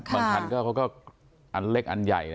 บางคันเขาก็อันเล็กอันใหญ่นะ